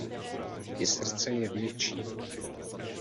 I srdce je větší.